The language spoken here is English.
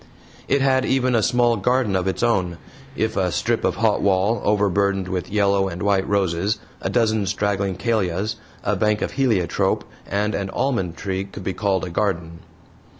It had even a small garden of its own if a strip of hot wall, overburdened with yellow and white roses, a dozen straggling callas, a bank of heliotrope, and an almond tree could be called a garden.